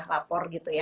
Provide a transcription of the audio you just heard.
lapor gitu ya